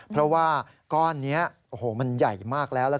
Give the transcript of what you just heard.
เพราะว่าก้อนนี้โอ้โหมันใหญ่มากแล้ว